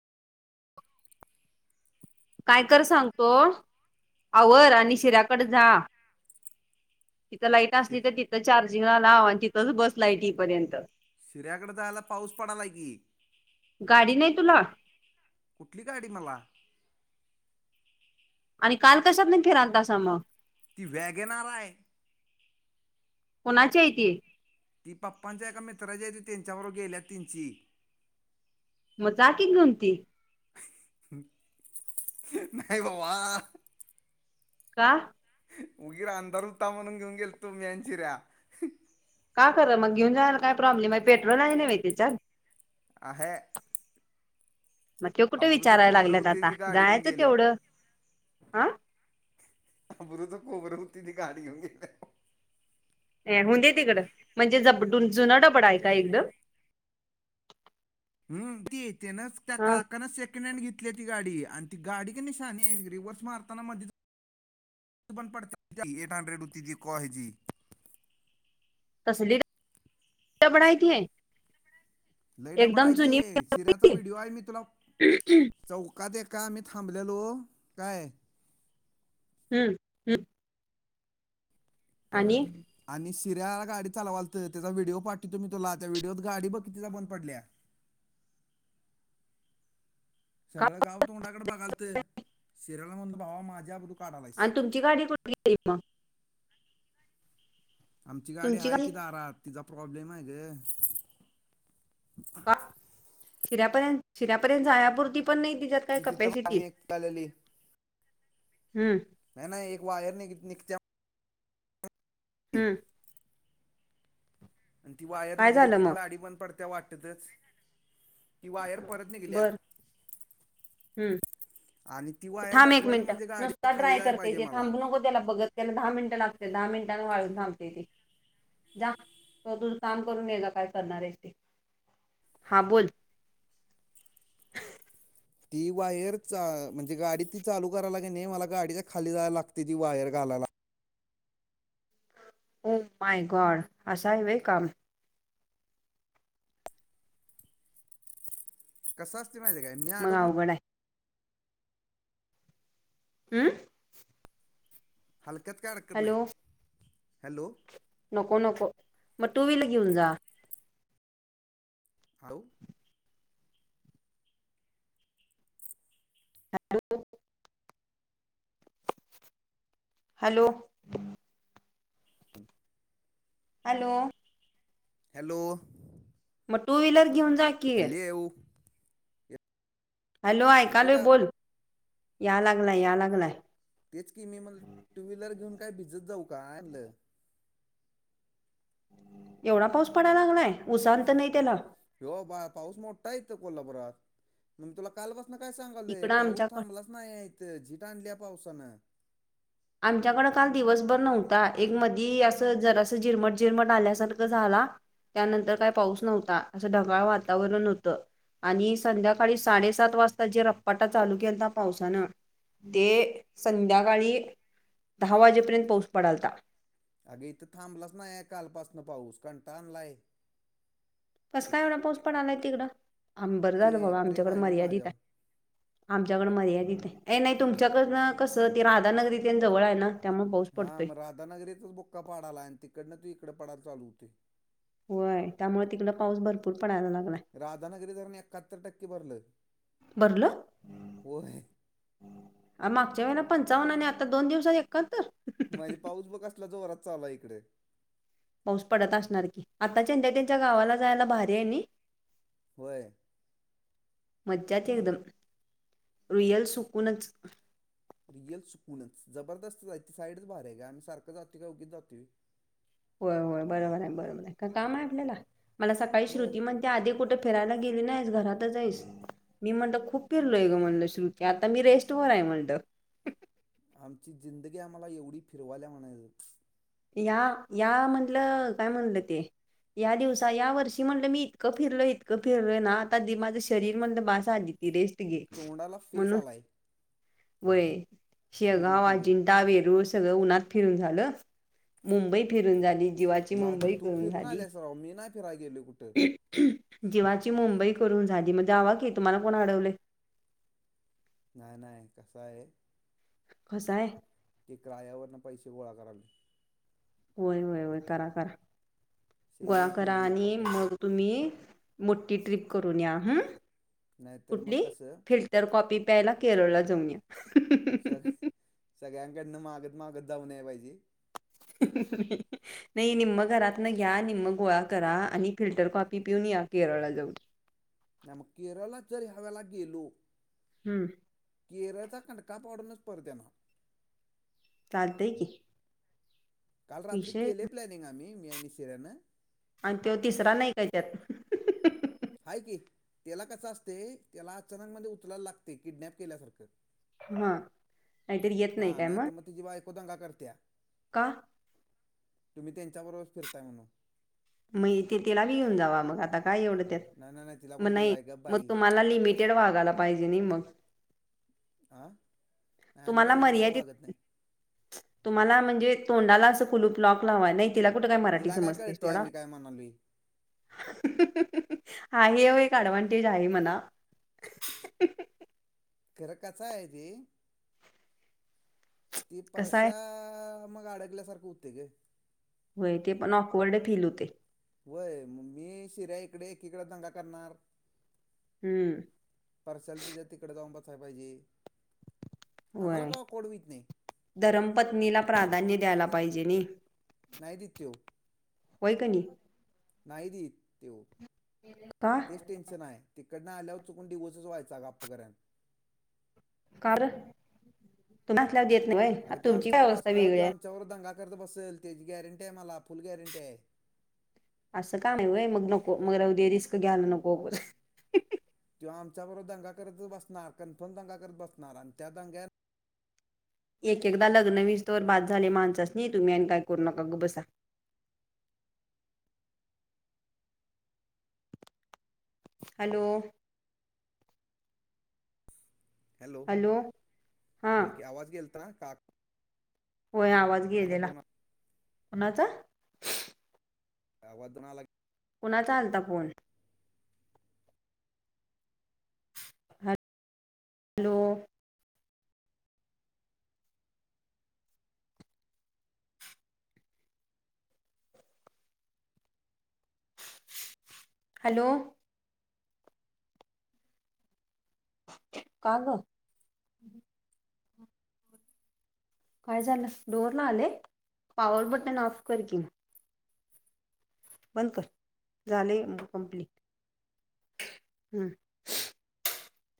काय कर सांगतो आवर आणि शिऱ्याकड जा. तिथं लाईट शि अससली तर तिथं चार्जिंगला लाव आणि तिथंच बसलाय तईपर्यंत. शिऱ्याकडं जायला पाऊस पडालाय की. गाडी नाही तुला. कुठली गाडी मला? आणि काल कशात फिरालतसा मं ती वॅगेनार आहे. कोणाची आहे ती. ती पप्पांच्या एका मित्रांची हाय त्यांच्याबरोबर गेल्यात त्यांची. म जा की घेऊन ती. ह हं नाही बाबा. का? उगीर अंधार होता, म्हणून घेऊन गेलतो मी आणखी शिर्या. का खरं मग घेऊन जायला, काय प्रॉब्लेम आहे पेट्रोल आहे नव्हे त्यांच्यात. आहे. [unintelligible] म त्यो कुठं अब्रूचं विचाराय खोबरं लागल्यात होते आता ती गाडी घेऊन जायचं तेवढं गेल्यावर हं. अबरुच खोबर हुतय ती गाडी घेऊन गेल्याव. ऐ होऊ दे तिकडं म्हणजे ज जुना डबड आहे का एकदम. हम ती तेनच त्या हा काकानच. सेकंड हँड घेतली ती गाडी आणि ती गाडी कणे शाणे रिवर्स मारताना मध्येच. बंद पडत्या एट हंड्रेड होती हेची. तसली डबड हाय ते. लय डबड हाय ते शिऱ्याचा व्हिडिओ आहे मी तुला चौकात एका आम्ही थांबलेलो काय. हम्म. आणी. आणी शिर्या गाडी चालवालतं त्याचा व्हिडीओ पाठीवतो, मी तुला त्या व्हिडीओत गाडी बघ कितीदा बंद पडल्या. सगळं गाव तोंडाकडं बगालतं शिर्याला म्हणलं भावा माझी अब्रु. आणि तुमची गाडी कुठ गेली म आमची गाडी आहे की दारात तिचा प्रॉब्लेम आहे गं. का शिऱ्यापर्यंत शिऱ्यापर्यंत जाण्यापुरती पण नाही तिच्यात काय ती तिथं कपॅसिटी. मागणी एकटी आलेली हम्म नाही नाही एक वायर निघत्या. हम्म आणि ती वायर काय निघली झालं की म मग गाडी बंद पडत्या वाटतंच. ती वायर परत निघल्या बर हम्म आणि ती वायर थांब एक बसवायची मिनिटं म्हणजे गाडी नुसता खाली ड्राय जायला करते पाहिजे ते मला थांबू नको त्याला बघत. त्याला दहा मिनटं लागते दहा मिनटांने वाळून थांबते ते. जा तोवर तुझं काम करून ये जा काय करणार आहेस ते, हा बोल. ती वायर चा म्हणजे गाडी ती चालू करायला कणी, मला गाडीच्या खाली जायाला लागते ती वायर घालायला. ओ माय गॉड असं हाय व्हयं काम. कसं असतयं माहितीय काय मी मग अडकलो. अवघड आहे हमंम हलक्यात काय अडकत नाही, हॅलो हॅलो नको नको म टू व्हीलर घेऊन जा. Hello hello. हॅलो. हम् [unintelligible] हॅलो. हॅलो. मग टू व्हीलर घेऊन जा की अल् येऊ. हॅलो येतोय ऐकालोय का बोल या लागलाय या लागलाय. तेच की मी मला टू व्हीलर घेऊन काय भिजत जाऊ का आणलं. एवढा पाऊस पडाला लागलाय उसानत नाही त्याला. हो बा पाऊस मोठा येत कोल्हापुरात मग तुला कालपसन काय सांगालय इकडं पाऊस आमच्याकड थांबला नाही इथं झिट आणल्या पावसानं. आमच्याकडं काल दिवसभर नव्हता एक मधी असं जरासं झिरमट झिरमट आल्यासारखं झाला. त्यानंतर काय पाऊस नव्हता असं ढगाळ वातावरण होतं. आणि संध्याकाळी साडेसात वाजता जे रप्पाटा चालू केता पावसानं. ते संध्याकाळी दहा वाजेपर्यंत पाऊस पडलता. अगे इथं थांबलंच नाहीय कालपासन पाऊस कंटा आणलाय. कसं काय एवढं पाऊस पणा आलाय तिकडं आम बरं झालं ते बाबा प्रेम आमच्याकड आहे नाही मर्यादित माझ्यावर आहे. आमच्याकडं मर्यादित आहे ए नाही तुमच्याकडनं कसं ते राधानगरीथे जवळ आहे ना. त्यामुळे पाऊस हा पडतोय मग राधानगरीतच बुक्का पाडायला आहे आणि तिकडन त इकडे पडायला चालू होते. होय त्यामुळे तिकड पाऊस भरपूर पडायला लागलाय. राधानगरी धरण एकाहत्तर टक्के भरलं भरलं होय. अ मागच्या वेळेला पंचाव्नने आता दोन दिवसात एकाहतर. मजी पाऊस बघ असला जोरात चालू हाय इकडे. पाऊस पडत असणार की आता चंद्या त्यांच्या गावाला जायला भारी हाय णी. व्हय. मज्जात एकदम रुयल सुकूनच. रिअल सुकूनच जबरदस्तच हाय साईडच भारी आहे का आम्हीारं जातो का उगच जातो. होय होय बरोबर आहे बरोबर आहे का काम आहे आपल्याला मला सकाळी होय श्रुती म्हण त्या आधी कुठे फिरायला गेली नाहीस घरातच आहेस. मी म्हणत खूप फिरलोय ग म्हणलं श्रूती आता मी रेस्टवरर आहे म्हणटलं. आमची जिंदगी आम्हाला एवढी फिरवायल्या म्हणायच. या यामधलं काय म्हणलं ते. या दिवसा या वर्षी म्हटलं मी इतकं फिरलो इतकं फिरलोय ना आता माझं शरीर म्हणलं बास आदिती रेस त घे तोंडाला फेस म्हणून आलाय वय फिरून शेगाव फिरून आजीनंटा वेरूस सगळ उन्हात फिरून झालं. मुंबई फिरून झाली. जीवाची आधी मुंबई तू करून फिरून झाली आलेस राव मी नाही फिराय गेलो कुठ. जीवाची मुंबई करून झाली म्हणजे जावा की तुम्हाला कोण अडवले. नाय नाय कस आहे. कस हाय. ते क्रायावर ना पैसे गोळा करालोय. होय होय होय करा करा सेविंग गोळाकारा इज आणि इम्पॉर्टंट मग तुम्ही मोठी ट्रिप करून या ह नाहीतर मग कुठली कसं फि तर कॉफी प्यायला केरळला जावून या सग सगळ्यांकडनं मागत मागत जाऊ नये पाहिजे हा हा नाही निम्म घरात न घ्या निम्म गोळा करा आणि फिल्टर कॉफी पिऊन या केरळला जाऊन नाही मग केरळ जरी ह्यावे्याळेला गेलो. हम्म. केऱ्याचा कंडका पावडूनच परत येणार. चालतंय की काल रात्री विषय केलय प्लॅनिंग आम्ही मी आणि निशिऱ्यानं. आणि तो तिसरा नाही का त्यात. हय की त्याला कस असते त्याला अचानक मधे उचलायला लागते किडनॅप केल्यासारखं हा नाहीतरी येत नाही काय मग तुझी बायको दंगा करतेया का तुम्ही त्यांच्याबरोबर फिरताय म्हणून मग ते तिला बी घेऊन जावा मग आता काय एवढं त्यात नाही नाही तिला मग कुठं घेऊन नाही जाय का मग बाई तुम्हाला लिमिटेड वागाला पाहिजे नाही मग आ तुम्हाला मर्यादित तुम्हाला म्हणजे तोंडाला असं कुलूप लॉक लावा नाही तिला कुठं काय मराठी तिला काय समजते कळते सोडा आम्ही काय म्हणालोय हा एक अडव्हांटेज आहे मला खर कसा आहे ती ती कसं आहे परशा मग अडगल्यासारखं होते ग होय ते पण ऑकवर्डे फिल होते होय मग मी शिऱ्या इकडे एकीकडे दंगा करणार हम्म प्रश्नाला तिच्या तिकडे जाऊन बसायला पाहिजे आम्हाला होय काय ऑकवर्ड होत नाही धरमपत्नीला प्राधान्य द्यायला पाहिजे नाही नाही देत तो होय की नाही नाही देत तो का तेच टेन्शन आहे तिकडनं आल्यावर चुकून डिव्होर्स व्हायचा गप्प करण का र तुम्ही असल्यावी येत नाही होय आता तुमची काय अवस्था वेगळी आहे त्याच्यावर दंगा करत बसेल तेची गॅरंटी आहे मला फुल गॅरंटी आहे असं काम हाय वय मग नको मग राहूदे रिस्क घ्यायला नको तो आमच्याबरोबर दंगा करतच बसणार कन्फर्म दंगा करत बसणार आणि त्या दंग्या एक एकदा लग्न विस्तवर बाद झाले माणसास नाही तुम्ही आणि काय करू नका ग बसा हॅलो हॅलो हा बोल की आवाज गेलता का होय आवाज गेलेला फोन कोणाचा आवाज कुणाचा आला फोन ह हॅलो हॅलो का ग काय झालं डोअर ला आले पॉवर बटन ऑफ कर की बंद कर झालं कंप्लीट.